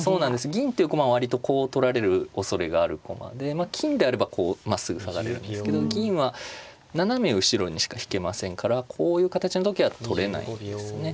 銀っていう駒は割とこう取られるおそれがある駒で金であればこうまっすぐ下がれるんですけど銀は斜め後ろにしか引けませんからこういう形の時は取れないですね。